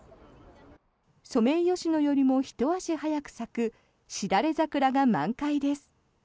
ソメイヨシノよりもひと足早く咲くシダレザクラが満開です。